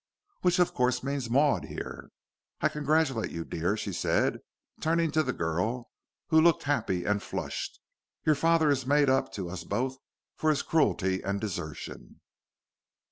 "Which of course means Maud here. I congratulate you, dear," she said, turning to the girl, who looked happy and flushed. "Your father has made up to us both for his cruelty and desertion."